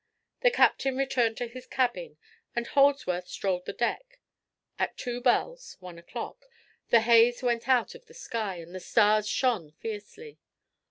The captain returned to his cabin, and Holdsworth strolled the deck. At two bells (one o'clock) the haze went out of the sky and the stars shone fiercely.